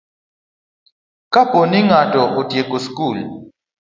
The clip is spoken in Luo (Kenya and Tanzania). Kapo ni ng'ato otieko skul